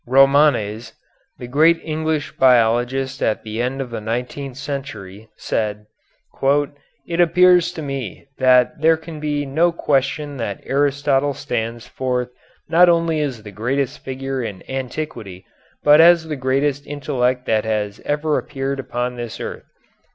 Romanes, the great English biologist of the end of the nineteenth century, said: "It appears to me that there can be no question that Aristotle stands forth not only as the greatest figure in antiquity but as the greatest intellect that has ever appeared upon this earth."